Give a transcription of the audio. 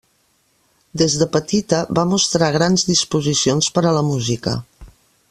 Des de petita va mostrar grans disposicions per a la música.